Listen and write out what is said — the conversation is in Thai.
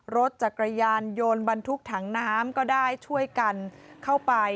รถจักรยานยนต์บรรทุกถังน้ำก็ได้ช่วยกันเข้าไป